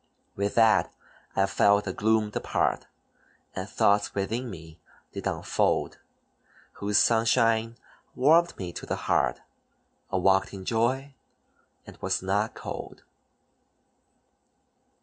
With that I felt the gloom depart, And thoughts within me did unfold, Whose sunshine warmed me to the heart: I walked in joy, and was not cold.